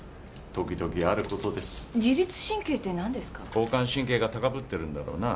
交感神経が高ぶってるんだろうなぁ。